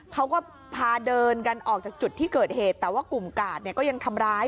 เขาก็พาเดินกันออกจากจุดที่เกิดเหตุแต่ว่ากลุ่มกาดเนี่ยก็ยังทำร้าย